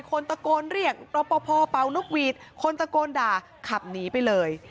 คนตะโกนเรียกรอปภเป่านกหวีดคนตะโกนด่าขับหนีไปเลย